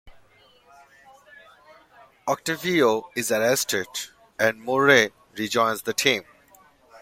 Octavio is arrested, and Murray rejoins the team.